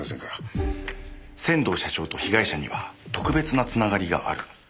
仙道社長と被害者には特別な繋がりがある。